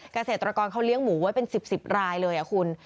เกษตรกรเขาเลี้ยงหมูไว้เป็น๑๐รายเลยคุณ